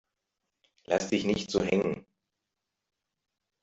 Lass dich nicht so hängen!